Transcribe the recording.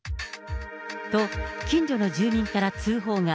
と、近所の住民から通報が。